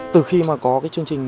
từ khi mà có cái chương trình